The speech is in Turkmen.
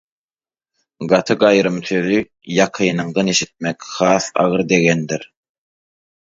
Gaty-gaýrym sözi ýakynyňdan eşitmek has agyr degendir.